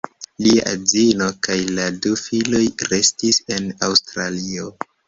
Lia edzino kaj la du filoj restis en Aŭstralio.